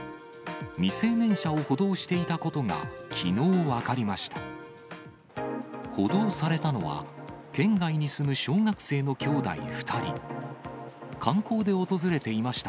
未成年者を補導していたことがきのう分かりました。